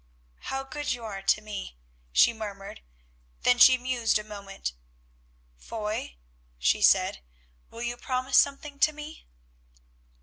"How good you are to me," she murmured, then she mused a moment. "Foy," she said, "will you promise something to me?"